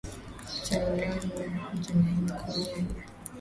changanya mchanganyiko wa nyanya